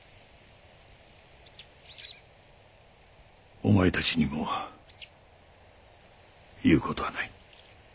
お前たちにも言う事はない。